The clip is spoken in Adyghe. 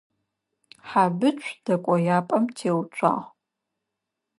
Хьэбыцу дэкӏояпӏэм теуцуагъ.